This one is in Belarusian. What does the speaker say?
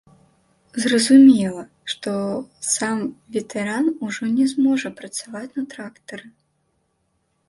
Зразумела, што сам ветэран ужо не зможа працаваць на трактары.